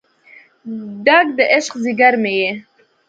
ډک د عشق ځیګر مې یې